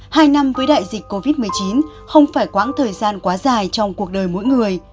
hai năm với đại dịch covid một mươi chín không phải quãng thời gian quá dài trong cuộc đời mỗi người